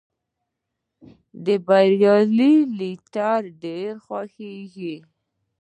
د بریالي لټیري ډېر خوښیږي.